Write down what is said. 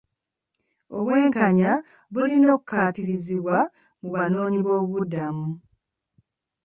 Obwenkanya bulina okukkaatirizibwa mu banoonyi b'obubudamu.